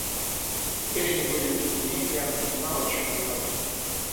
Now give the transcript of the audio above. Теперь они были наедине, и Анна не знала, о чем говорить.